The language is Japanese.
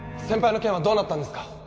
先輩の件はどうなったんですか？